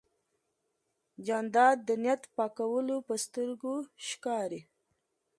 جانداد د نیت پاکوالی په سترګو ښکاري.